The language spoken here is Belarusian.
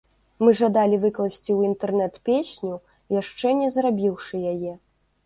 Мы жадалі выкласці ў інтэрнэт песню, яшчэ не зрабіўшы яе.